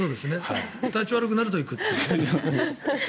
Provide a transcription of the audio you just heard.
体調悪くなると行くという。